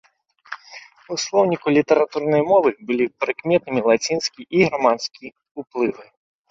У слоўніку літаратурнай мовы былі прыкметнымі лацінскі і германскі ўплывы.